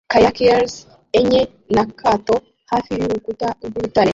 Kayakiers enye na kato hafi y'urukuta rw'urutare